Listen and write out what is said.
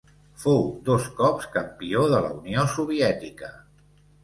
Fou dos cops Campió de la Unió Soviètica.